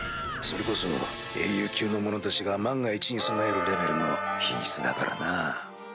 それこそ英雄級の者たちが万が一に備えるレベルの品質だからな。